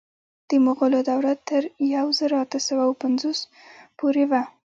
د مغولو دوره تر یو زر اته سوه اوه پنځوس پورې وه.